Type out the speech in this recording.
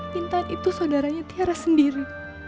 pintau itu saudaranya tiara sendiri